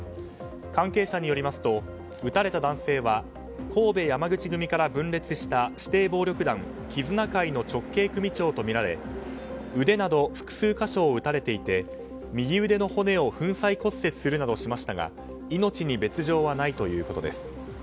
関係者によりますと撃たれた男性は神戸山口組から分裂した指定暴力団絆會の直系組長とみられ腕など複数箇所を撃たれていて右腕の骨を粉砕骨折するなどしましたが命に別条はないということです。